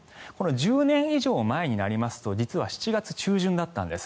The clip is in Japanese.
１０年以上前になりますと実は７月中旬だったんです。